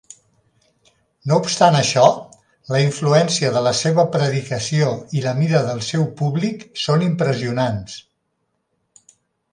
No obstant això, la influència de la seva predicació i la mida del seu públic són impressionants.